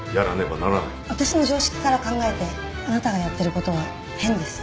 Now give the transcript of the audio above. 私の常識から考えてあなたがやってる事は変です。